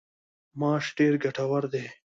ماش ډیر ګټور دي.